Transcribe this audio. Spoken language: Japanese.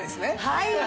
はい。